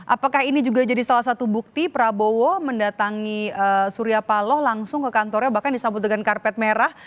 apakah ini juga jadi salah satu bukti prabowo mendatangi surya paloh langsung ke kantornya bahkan disambut dengan karpet merah